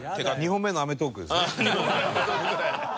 ２本目の『アメトーーク』。